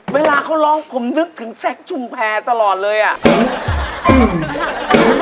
เวลาเขาร้องผมนึกถึงแซคชุมแพรตลอดเลยอ่ะ